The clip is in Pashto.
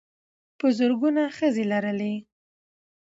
په زرګونه ښځې لرلې.